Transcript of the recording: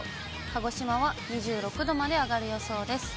鹿児島は２６度まで上がる予想です。